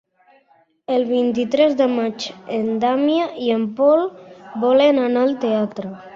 El vint-i-tres de maig en Damià i en Pol volen anar al teatre.